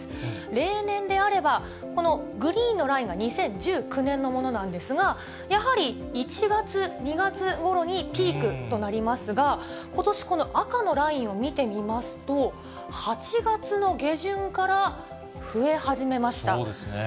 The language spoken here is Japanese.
例年であれば、このグリーンのラインが２０１９年のものなんですが、やはり１月、２月ごろにピークとなりますが、ことし、この赤のラインを見てみますと、８月の下旬から増え始めそうですね。